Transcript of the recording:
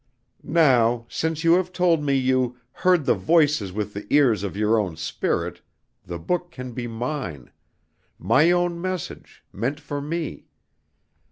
Now, since you have told me you heard the voices with the ears of your own spirit, the book can be mine my own message, meant for me.